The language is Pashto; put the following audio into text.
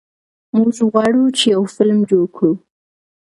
موږ غواړو چې یو فلم جوړ کړو.